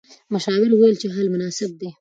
مشاور وویل چې حل مناسب دی.